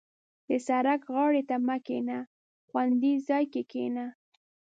• د سړک غاړې ته مه کښېنه، خوندي ځای کې کښېنه.